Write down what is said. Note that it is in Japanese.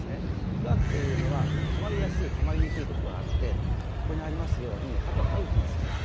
プラークというのはたまりやすいたまりにくいとこがあってここにありますように歯と歯茎の隙間。